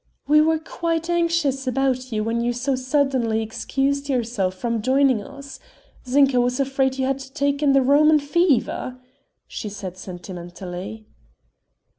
"We were quite anxious about you when you so suddenly excused yourself from joining us. Zinka was afraid you had taken the Roman fever," she said sentimentally.